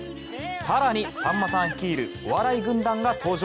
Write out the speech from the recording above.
更に、さんまさん率いるお笑い軍団が登場。